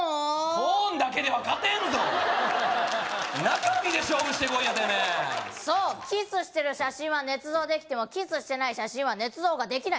トーンだけでは勝てんぞ中身で勝負してこいやてめえそうキスしてる写真はねつ造できてもキスしてない写真はねつ造ができない